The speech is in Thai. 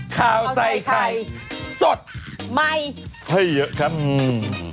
ข่าวใส่ไข่สดใหม่ให้เยอะครับอืม